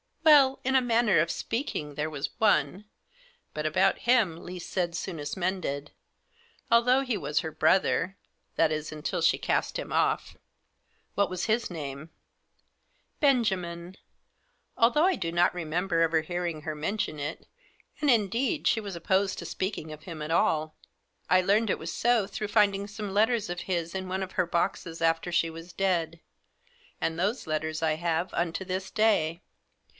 " Well, in a manner of speaking, there was one ; but about him least said soonest mended ; although he was her brother— that is f . until she cast him off." " What was his name ?" "Benjamin. Although I do not remember ever hearing her mention it 4 and, indeed, she was opposed to speaking of him at all ; I learned it was so through finding some letters of his in one of her boxes after she was dead, and thpse letters I have unto this day."